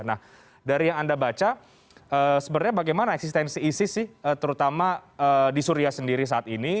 nah dari yang anda baca sebenarnya bagaimana eksistensi isis sih terutama di suria sendiri saat ini